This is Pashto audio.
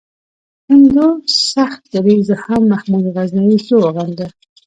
هندو سخت دریځو هم محمود غزنوي ښه وغنده.